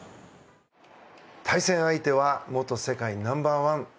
対戦相手は元世界ナンバー１